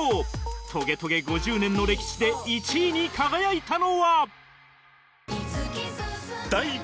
『トゲトゲ』５０年の歴史で１位に輝いたのは